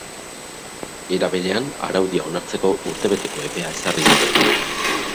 Era berean, araudia onartzeko urtebeteko epea ezarri dute.